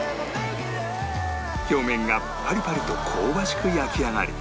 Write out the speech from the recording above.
表面がパリパリと香ばしく焼き上がり